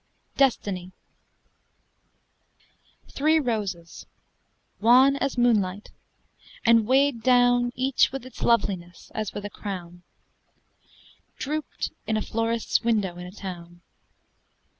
] DESTINY Three roses, wan as moonlight, and weighed down Each with its loveliness as with a crown, Drooped in a florist's window in a town.